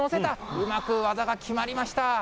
うまく技が決まりました。